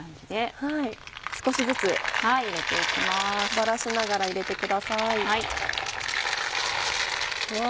少しずつバラしながら入れてください。わ！